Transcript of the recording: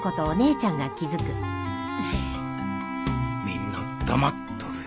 みんな黙っとる